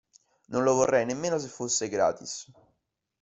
Non lo vorrei nemmeno se fosse gratis.